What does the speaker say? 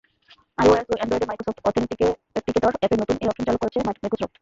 IOS ও অ্যান্ড্রয়েডে Microsoft authenticator অ্যাপে নতুন এ অপশন চালু করেছ মাইক্রোসফট।